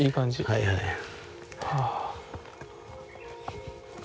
はいはいはい。